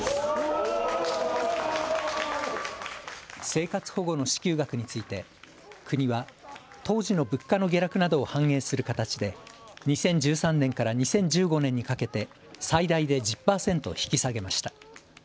生活保護の支給額について国は当時の物価の下落などを反映する形で２０１３年から２０１５年にかけて最大で１０％引き下げました。